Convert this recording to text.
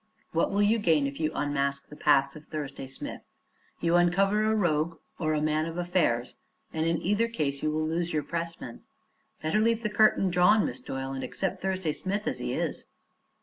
What will you gain if you unmask the past of Thursday Smith? You uncover a rogue or a man of affairs, and in either case you will lose your pressman. Better leave the curtain drawn, Miss Doyle, and accept Thursday Smith as he is."